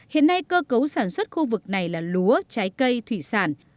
hiện nay cơ cấu sản xuất khu vực này là lúa trái cây thủy sản